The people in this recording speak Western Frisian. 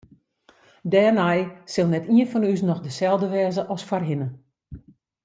Dêrnei sil net ien fan ús noch deselde wêze as foarhinne.